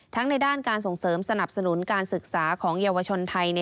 ในด้านการส่งเสริมสนับสนุนการศึกษาของเยาวชนไทย